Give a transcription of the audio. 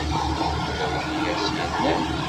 Yella win i as-yennan?